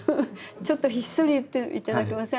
ちょっとひっそり言っていただけません？